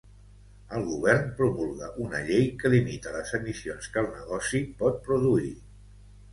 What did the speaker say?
El Govern promulga una llei que limita les emissions que el negoci pot produir.